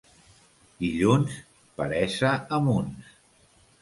Dilluns, peresa a munts.